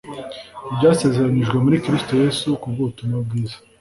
"ibyasezerariyijwe muri Kristo Yesu ku bw'ubutumwa bwiza."